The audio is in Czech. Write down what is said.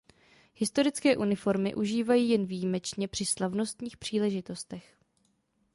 Historické uniformy užívají jen výjimečně při slavnostních příležitostech.